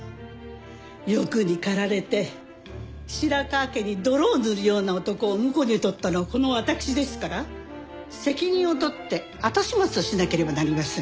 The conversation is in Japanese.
欲に駆られて白河家に泥を塗るような男を婿に取ったのはこの私ですから責任を取って後始末をしなければなりません。